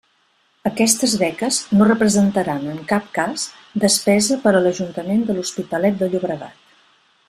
Aquestes beques no representaran, en cap cas, despesa per a l'Ajuntament de L'Hospitalet de Llobregat.